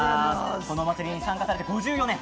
このお祭りに参加されて５４年。